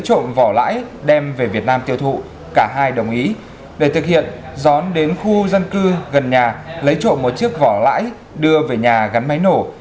trộm vỏ lãi đem về việt nam tiêu thụ cả hai đồng ý để thực hiện gión đến khu dân cư gần nhà lấy trộm một chiếc vỏ lãi đưa về nhà gắn máy nổ